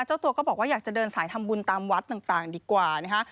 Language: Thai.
เจ้าตัวก็บอกว่าอยากจะเดินสายทำบุญตามวัดต่างดีกว่านะคะ